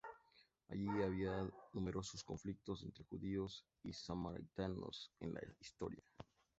Allí ha habido numerosos conflictos entre judíos y samaritanos en la historia.